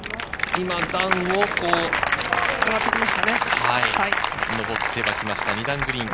今、段を上ってはきました、２段グリーン。